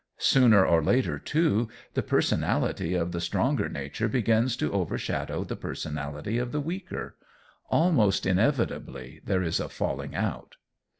Sooner or later, too, the personality of the stronger nature begins to overshadow the personality of the weaker. Almost inevitably there is a falling out.